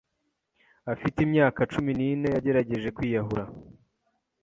afite imyaka cumi n'ine yagerageje kwiyahura,